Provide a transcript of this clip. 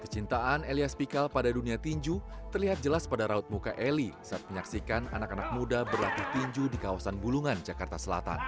kecintaan elias pikal pada dunia tinju terlihat jelas pada raut muka eli saat menyaksikan anak anak muda berlatih tinju di kawasan bulungan jakarta selatan